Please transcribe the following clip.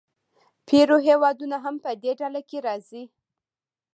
پیرو هېوادونه هم په دې ډله کې راځي.